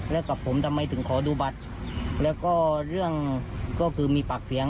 แล้วกับผมทำไมถึงขอดูบัตรแล้วก็เรื่องก็คือมีปากเสียง